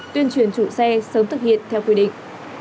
tuyên truyền chủ xe sớm thực hiện theo quy định